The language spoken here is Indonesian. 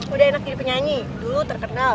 udah enak jadi penyanyi dulu terkenal